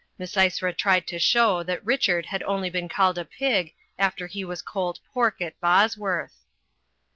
Misysra tried to show that Richard had only been called a pig after he was cold pork at Bosworth.